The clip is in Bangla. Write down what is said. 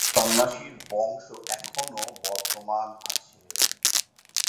এই সন্ন্যাসীর বংশ এখনও বর্তমান আছে।